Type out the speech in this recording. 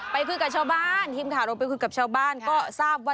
ไปคุยกับคนดีครับคุยภาษาอะไรคะ